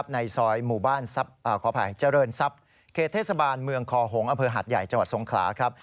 ในซอยหมู่บ้านเจริญทรัพย์เคเทศบาลเมืองคอหงศ์อเภอหัสใหญ่จังหวัดทรงขลาครับ